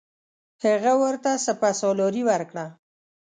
هغه ورته سپه سالاري ورکړه.